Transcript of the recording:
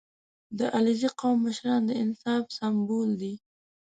• د علیزي قوم مشران د انصاف سمبول دي.